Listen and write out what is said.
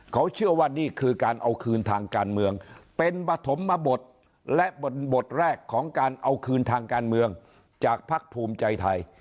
เขาเชื่อว่านี่คือการเอาคืนทางการเมืองเป็นปฐมบทและบทแรกของการเอาคืนทางการเมืองจากภักดิ์ภูมิใจไทย